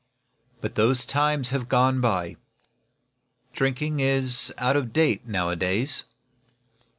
But those times have gone by. Drinking is out of date, nowadays.